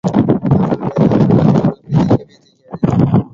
தங்களுடைய தவறுகள் அவர்களுக்குத் தெரியவே தெரியாது.